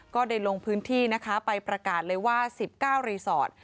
ก็ได้ลงพื้นที่นะคะไปประกาศเลยว่า๑๙รีสอร์ท